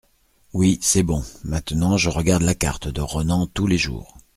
Oui c’est bon, maintenant je regarde la carte de Ronan tous les jours.